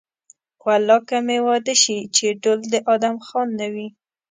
والله که مې واده شي چې ډول د ادم خان نه وي.